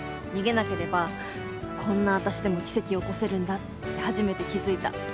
逃げなければこんな私でも奇跡起こせるんだって初めて気付いた。